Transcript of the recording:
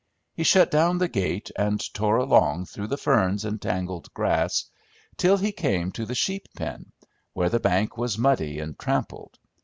He shut down the gate and tore along through the ferns and tangled grass till he came to the sheep pen, where the bank was muddy and trampled.